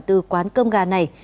từ quán cơm gà này